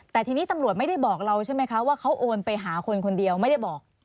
แต่ทีนี้ตำรวจไม่ได้บอกเราใช่ไหมคะว่าเขาโอนไปหาคนคนเดียวไม่ได้บอก